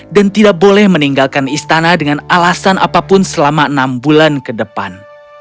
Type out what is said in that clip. dan tidak boleh meninggalkan istana dengan alasan apapun selama enam bulan ke depan